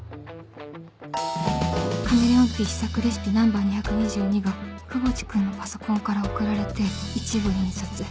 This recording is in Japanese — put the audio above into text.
カメレオンティー試作レシピナンバー２２２が窪地君のパソコンから送られて１部印刷